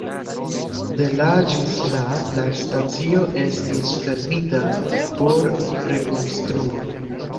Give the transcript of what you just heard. De la ĝis la la stacio estis fermita por rekonstruo.